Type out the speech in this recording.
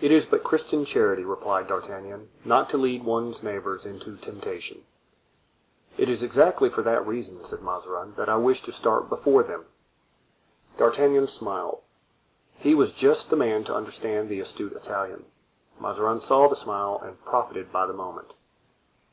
"It is but Christian charity," replied D'Artagnan, "not to lead one's neighbors into temptation." "It is exactly for that reason," said Mazarin, "that I wish to start before them." D'Artagnan smiled—he was just the man to understand the astute Italian. Mazarin saw the smile and profited by the moment.